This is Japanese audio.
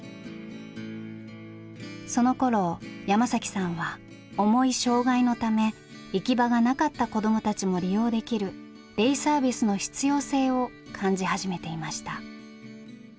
そのころ山さんは重い障害のため行き場がなかった子どもたちも利用できるデイサービスの必要性を感じ始めていました。